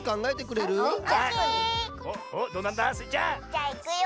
じゃあいくよ！